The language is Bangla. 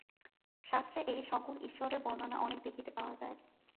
শাস্ত্রে এই সগুণ ঈশ্বরের বর্ণনা অনেক দেখিতে পাওয়া যায়।